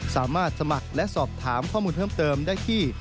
สามารถสมัครและสอบถามข้อมูลเพิ่มเติมได้ที่